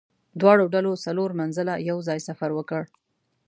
دواړو ډلو څلور منزله یو ځای سفر وکړ.